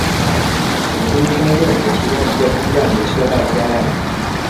首都圈电铁其中一个终站也设在天安。